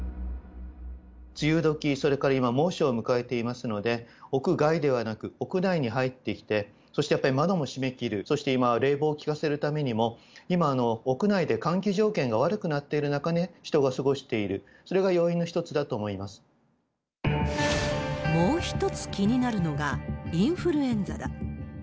梅雨時、それから今、猛暑を迎えていますので、屋外ではなく屋内に入ってきて、そしてやっぱり窓も閉め切る、そして今は冷房を効かせるためにも、今、屋内で換気条件が悪くなっている中に人が過ごしている、それが要もう一つ気になるのが、インフルエンザだ。